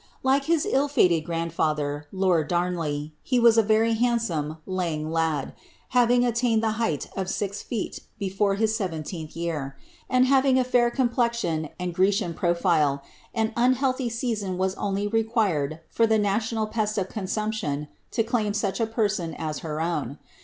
Like his ill fiited grandfather, lord Damley, he was a very handsome ^ lang lad," having attained the height of six feet before his seventeenth year ; and having a ^ir complezioo and Grecian profile, an unhealthy season was only required for the national pest of consumption to claim such a person as her own.